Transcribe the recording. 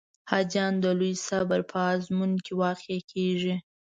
حاجیان د لوی صبر په آزمون کې واقع کېږي.